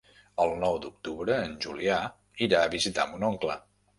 El nou d'octubre en Julià irà a visitar mon oncle.